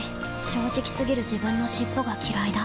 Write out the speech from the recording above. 正直過ぎる自分の尻尾がきらいだ